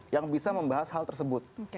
yang bisa membahas hal tersebut